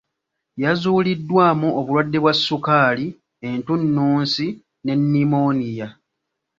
Yazuuliddwamu obulwadde bwa sukaali, entunnunsi ne nnimooniya.